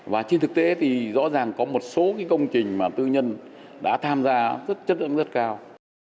và trên thực tế thì rõ ràng có một số công trình mà tư nhân đã tham gia rất chất ứng rất cao